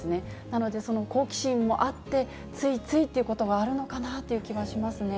なので、好奇心もあって、ついついっていうことがあるのかなって気はしますね。